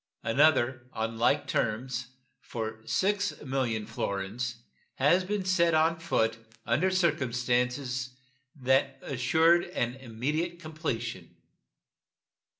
Another, on like terms, for 6,000,000 florins, had been set on foot under circumstances that assured an immediate completion.